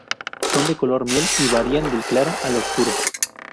Son de color miel, y varían del claro al oscuro.